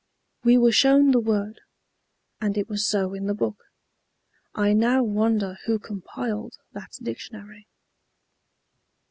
We were shown the word, and it was so in the book. I now wonder who compiled that dictionary."